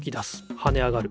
はね上がる。